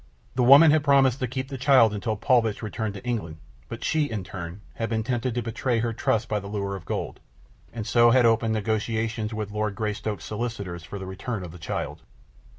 The woman had promised to keep the child until Paulvitch returned to England; but she, in turn, had been tempted to betray her trust by the lure of gold, and so had opened negotiations with Lord Greystoke's solicitors for the return of the child.